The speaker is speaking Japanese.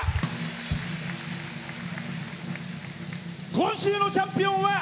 今週のチャンピオンは。